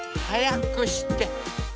はやくして。